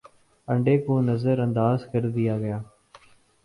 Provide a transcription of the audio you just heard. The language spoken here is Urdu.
انڈے کو نظر انداز کر دیا گیا